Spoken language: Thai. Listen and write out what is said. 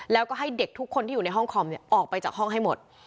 แล้วก็ให้เด็กทุกคนที่อยู่ในห้องคอมออกไปจากห้องให้หมด